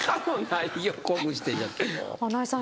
穴井さん